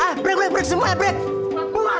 ah break break break semuanya break